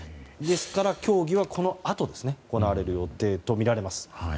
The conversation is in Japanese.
ですから協議はこのあと行われる予定とみられます。